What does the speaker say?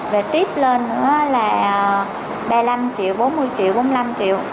và tiếp lên nữa là ba mươi năm triệu bốn mươi triệu bốn mươi năm triệu